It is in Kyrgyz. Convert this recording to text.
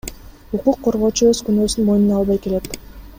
Укук коргоочу өз күнөөсүн мойнуна албай келет.